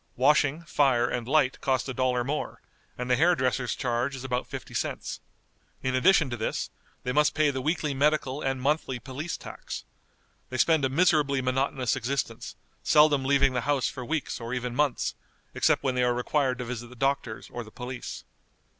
Washing, fire, and light cost a dollar more, and the hair dresser's charge is about fifty cents. In addition to this, they must pay the weekly medical and monthly police tax. They spend a miserably monotonous existence, seldom leaving the house for weeks or even months, except when they are required to visit the doctors or the police.